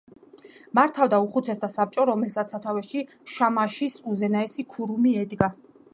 მართავდა უხუცესთა საბჭო, რომელსაც სათავეში შამაშის უზენაესი ქურუმი ედგა.